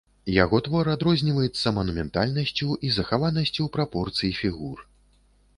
Яго твор адрозніваецца манументальнасцю і захаванасцю прапорцый фігур.